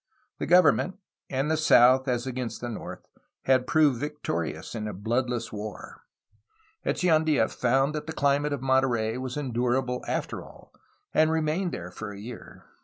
The government — and the south as against the north — ^had proved victorious in a bloodless war. Echeandla found that the climate of Monterey was en durable, after all, and remained there a year.